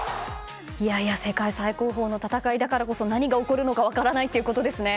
世界最高峰の戦いだからこそ何が起こるのか分からないということですね。